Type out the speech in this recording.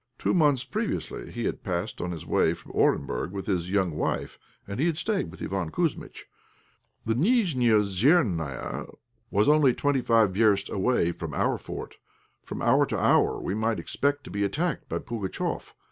Two months previously he had passed on his way from Orenburg with his young wife, and he had stayed with Iván Kouzmitch. The Nijnéosernaia was only twenty five versts away from our fort. From hour to hour we might expect to be attacked by Pugatchéf.